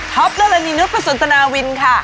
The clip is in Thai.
ท็อปนาร์แลนีนูประสนตณาวินค่ะ